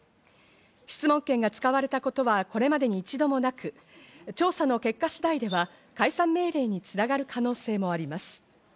質問権が使われたことはこれまでに一度もなく、調査の結果次第では解散命令に繋がる可能性もあります。